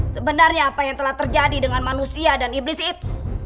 sebenarnya apa yang telah terjadi dengan manusia dan iblis itu